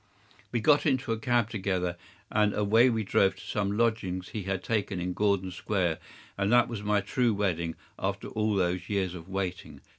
We got into a cab together, and away we drove to some lodgings he had taken in Gordon Square, and that was my true wedding after all those years of waiting.